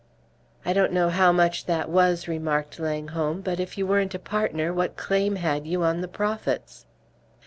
"I don't know how much that was," remarked Langholm; "but if you weren't a partner, what claim had you on the profits?"